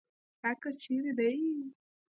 ستا کور چيري دی.